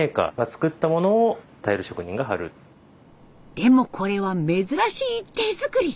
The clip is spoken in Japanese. でもこれは珍しい手作り。